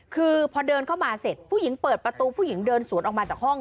คือพอเดินเข้ามาเสร็จผู้หญิงเปิดประตูผู้หญิงเดินสวนออกมาจากห้อง